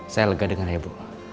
saya lega denger ya bu